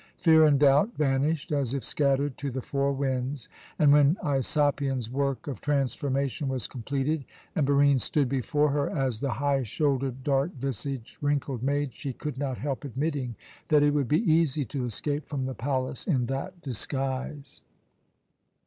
Fear and doubt vanished as if scattered to the four winds, and when Aisopion's work of transformation was completed and Barine stood before her as the high shouldered, dark visaged, wrinkled maid, she could not help admitting that it would be easy to escape from the palace in that disguise.